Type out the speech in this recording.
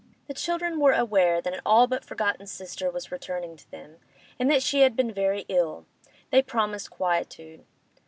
The children were aware that an all but forgotten sister was returning to them, and that she had been very ill; they promised quietude.